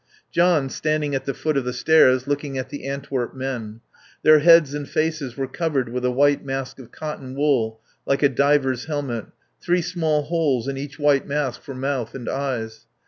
John standing at the foot of the stairs, looking at the Antwerp men. Their heads and faces were covered with a white mask of cotton wool like a diver's helmet, three small holes in each white mask for mouth and eyes.